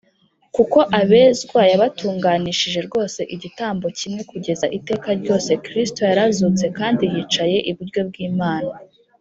Kuko abezwa yabatunganishije rwose igitambo kimwe kugeza iteka ryose Kristo yarazutse kandi yicaye iburyo bw'Imana.